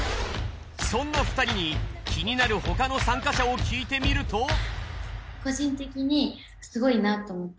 そんな２人に気になる他の参加者を聞いてみると。